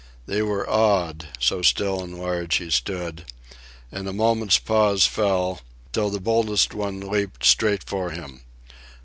They were awed, so still and large he stood, and a moment's pause fell, till the boldest one leaped straight for him.